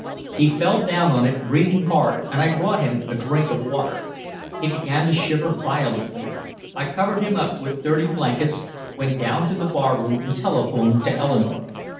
He fell down on it breathing hard and I brought him a drink of water. He began to shiver violently. I covered him up with dirty blankets, went down to the barroom and telephoned to Eleanore.